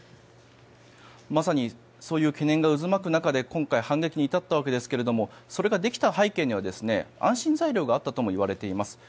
まさにそういう懸念が渦巻く中で今回、反撃に至ったわけですがそれができた背景には安心材料があったともいわれています。